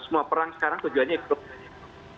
semua perang sekarang tujuannya ikut